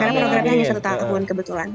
karena programnya hanya satu tahun kebetulan